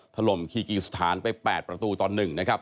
ถล่มคีกีสุธานไป๘ประตูตอนหนึ่งนะครับ